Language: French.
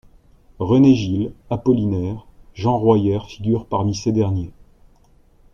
René Ghil, Apollinaire, Jean Royère figurent parmi ces derniers.